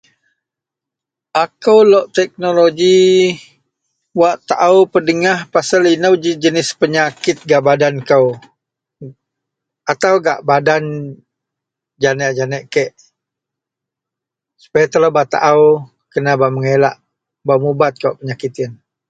Akou lok teknologi wak taao pedengah pasel inou ji penyakit gak badan kou atau gak badan janeak-janeak kek sepaya telou bak taao kena bak mengelak bak mubat kawak penyakit yen